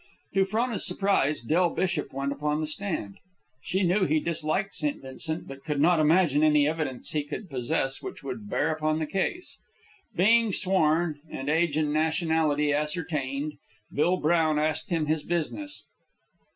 To Frona's surprise, Del Bishop went upon the stand. She knew he disliked St. Vincent, but could not imagine any evidence he could possess which would bear upon the case. Being sworn, and age and nationality ascertained, Bill Brown asked him his business.